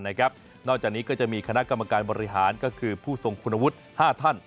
นอกจากนี้ก็จะมีคณะกรรมการบริหารก็คือผู้ทรงคุณวุฒิ๕ท่าน